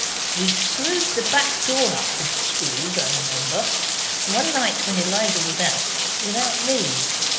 We screwed the back door up with the screws, I remember, one night when Eliza was out without leave.